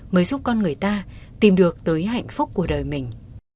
mới giúp con người ta tìm được tới hạnh phúc của đời mình